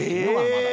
まだ」